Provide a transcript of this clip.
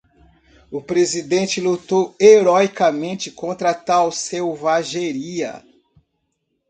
O presidente lutou heroicamente contra tal selvageria.